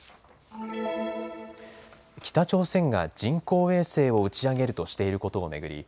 北朝鮮が人工衛星を打ち上げるとしていることを巡り